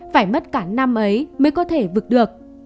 phải mất cả năm ấy mới có thể vực được